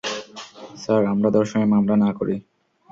Sir, আমরা ধর্ষণের মামলা না করি।